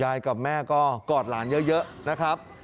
กับแม่ก็กอดหลานเยอะนะครับ